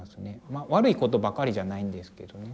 まあ悪いことばかりじゃないんですけどね